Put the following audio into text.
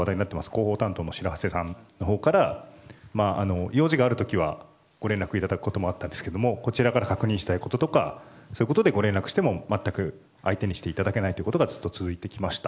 広報担当の白波瀬さんから用事がある時はご連絡いただくこともあったんですが確認したいことがあってこちらからそういうことでご連絡しても全く相手にしていただけないことがずっと続いてきました。